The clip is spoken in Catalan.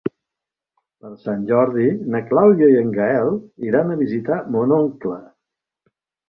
Per Sant Jordi na Clàudia i en Gaël iran a visitar mon oncle.